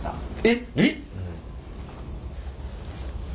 えっ！